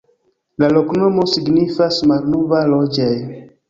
La loknomo signifas: malnova-loĝej'.